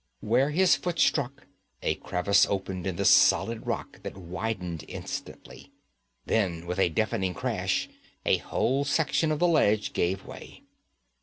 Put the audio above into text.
Where his foot struck, a crevice opened in the solid rock that widened instantly. Then, with a deafening crash, a whole section of the ledge gave way.